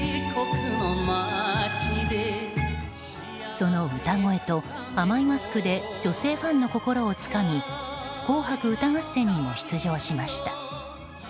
その歌声と甘いマスクで女性ファンの心をつかみ「紅白歌合戦」にも出場しました。